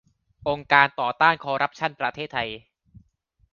องค์การต่อต้านคอร์รัปชั่นประเทศไทย